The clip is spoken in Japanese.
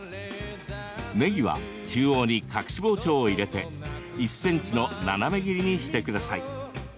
ねぎは、中央に隠し包丁を入れて１ｃｍの斜め切りにしてください。